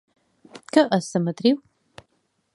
Què és la matriu?